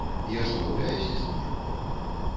Я што, гуляюся з імі?